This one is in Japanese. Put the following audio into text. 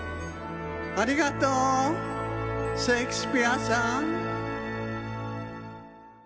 ありがとうシェイクスピアさん。